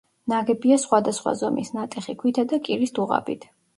ნაგებია სხვადასხვა ზომის ნატეხი ქვითა და კირის დუღაბით.